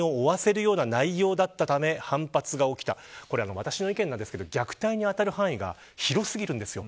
私の意見ですが、虐待に当たる範囲が広過ぎるんです。